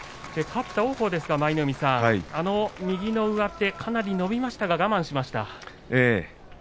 勝った王鵬ですが右の上手かなり伸びましたが我慢しました。